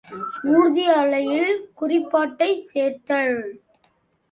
ஊர்தி அலையில் குறிபாட்டைச் சேர்த்தல்.